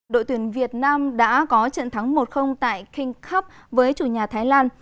đội tuyển việt nam đã có trận thắng một tại king cup với chủ nhà thái lan